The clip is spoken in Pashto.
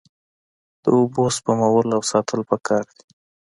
د اوبو سپمول او ساتل پکار دي.